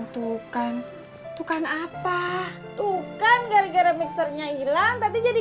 takut ditanya tati